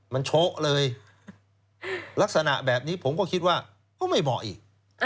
มันโช๊ะเลยลักษณะแบบนี้ผมก็คิดว่าก็ไม่เหมาะอีก